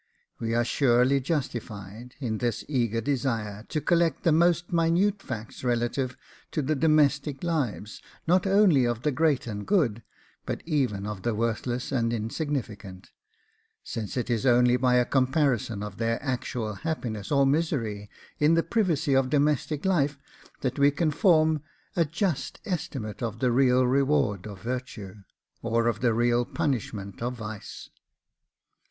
We are surely justified, in this eager desire, to collect the most minute facts relative to the domestic lives, not only of the great and good, but even of the worthless and insignificant, since it is only by a comparison of their actual happiness or misery in the privacy of domestic life that we can form a just estimate of the real reward of virtue, or the real punishment of vice.